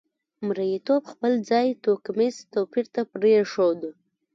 مریتوب خپل ځای توکمیز توپیر ته پرېښود.